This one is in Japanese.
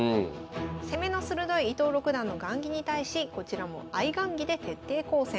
攻めの鋭い伊藤六段の雁木に対しこちらも相雁木で徹底抗戦。